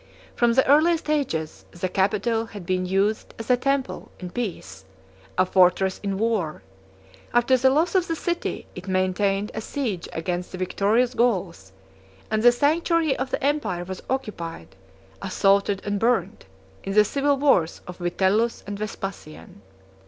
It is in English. From the earliest ages, the Capitol had been used as a temple in peace, a fortress in war: after the loss of the city, it maintained a siege against the victorious Gauls, and the sanctuary of the empire was occupied, assaulted, and burnt, in the civil wars of Vitellius and Vespasian.